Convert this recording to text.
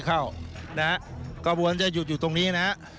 การบอลจะอยู่ตรงนี้นะ